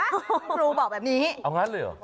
คุณครูบอกแบบนี้เอางั้นเลยเหรอ